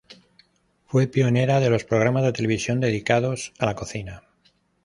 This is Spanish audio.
Fue pionera de los programas de televisión dedicados a la cocina.